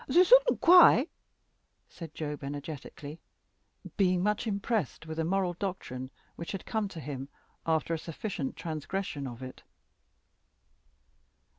"Zoo soodn't kuy," said Job energetically, being much impressed with a moral doctrine which had come to him after a sufficient transgression of it.